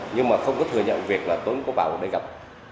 nhưng mà không có thừa nhận việc là tuấn có bảo đây gặp